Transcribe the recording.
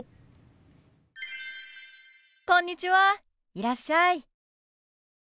いらっしゃい。